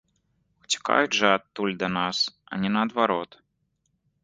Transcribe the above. Уцякаюць жа адтуль да нас, а не наадварот.